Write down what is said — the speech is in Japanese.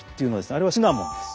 あれはシナモンです。